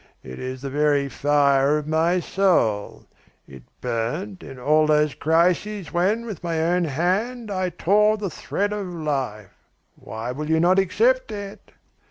It is the very fire of my soul. It burned in those crises when with my own hand I tore the thread of life. Why will you not accept it?